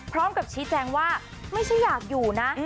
พร้อมกับชี้แจงว่าไม่ใช่อยากอยู่นะ